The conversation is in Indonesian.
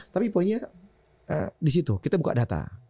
tapi poinnya disitu kita buka data